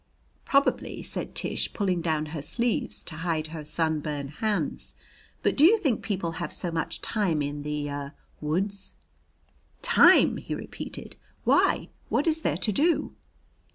"Probably," said Tish, pulling down her sleeves to hide her sunburned hands. "But do you think people have so much time in the er woods?" "Time!" he repeated. "Why, what is there to do?"